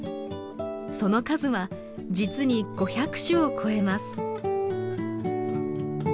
その数は実に５００種を超えます。